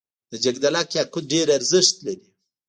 د جګدلک یاقوت ډیر ارزښت لري